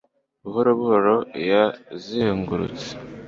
Buhoro buhoro yazengurutse